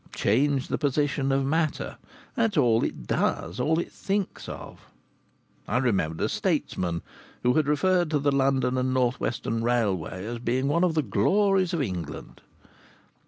Change the position of matter that is all it does, all it thinks of. I remembered a statesman who had referred to the London and North Western Railway as being one of the glories of England!